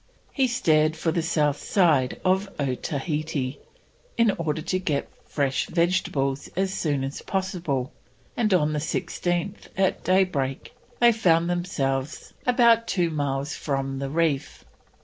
He steered for the south side of Otaheite in order to get fresh vegetables as soon as possible, and on the 16th at daybreak they found themselves about two miles from the reef.